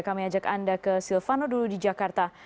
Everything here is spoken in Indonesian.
kami ajak anda ke silvano dulu di jakarta